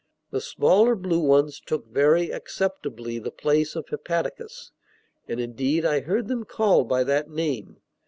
The smaller blue ones took very acceptably the place of hepaticas, and indeed I heard them called by that name.